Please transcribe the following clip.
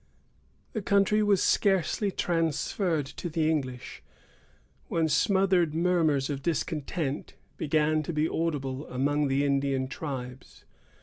The country was scarcely transferred to the English, when smothered murmurs of discontent began to be audible among the Indian tribes.